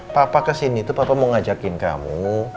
papa kesini tuh papa mau ngajakin kamu